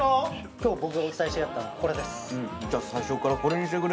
今日僕がお伝えしたかったのはこれです。